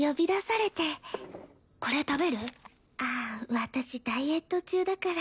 私ダイエット中だから。